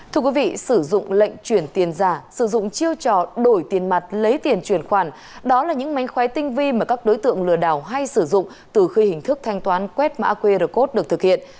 thưa quý vị sử dụng lệnh chuyển tiền giả sử dụng chiêu trò đổi tiền mặt lấy tiền chuyển khoản đó là những mánh khóe tinh vi mà các đối tượng lừa đảo hay sử dụng từ khi hình thức thanh toán quét mã qr code được thực hiện